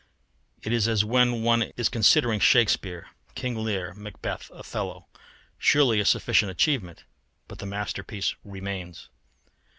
It is as when one is considering Shakspeare: King Lear, Macbeth, Othello, surely a sufficient achievement, but the masterpiece remains.